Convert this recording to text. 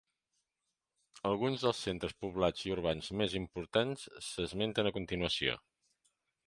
Alguns dels centres poblats i urbans més importants s'esmenten a continuació.